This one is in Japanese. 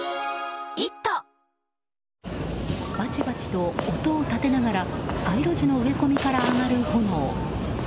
バチバチと音を立てながら街路樹の植え込みから上がる炎。